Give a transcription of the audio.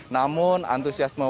namun antusias mewarisi pon ini